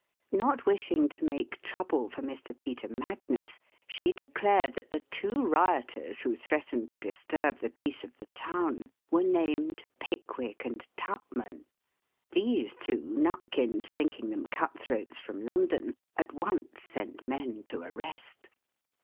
Not wishing to make trouble for Mr. Peter Magnus, she declared that the two rioters who threatened to disturb the peace of the town were named Pickwick and Tupman; these two, Nupkins, thinking them cutthroats from London, at once sent men to arrest.